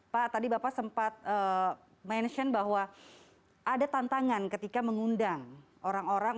pak tadi bapak sempat mention bahwa ada tantangan ketika mengundang orang orang